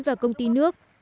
và công ty nước